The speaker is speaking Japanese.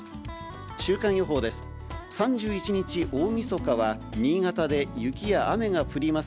週間予報です。